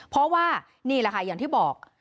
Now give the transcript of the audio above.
เพราะว่านี่แหละค่ะอย่างที่บอก